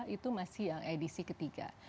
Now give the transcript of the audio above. itu masih yang edisi ketiga